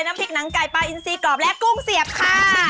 น้ำพริกหนังไก่ปลาอินซีกรอบและกุ้งเสียบค่ะ